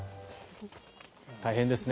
大変ですね